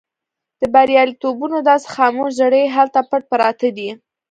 د برياليتوبونو داسې خاموش زړي هلته پټ پراته دي.